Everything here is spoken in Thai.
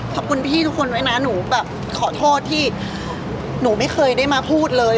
ขอบคุณพี่ทุกคนไว้นะหนูแบบขอโทษที่หนูไม่เคยได้มาพูดเลย